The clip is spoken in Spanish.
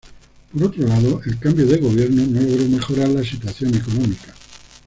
Por otro lado, el cambio de gobierno no logró mejorar la situación económica.